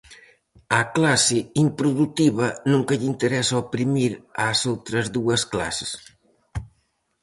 Á clase improdutiva nunca lle interesa oprimir ás outras dúas clases.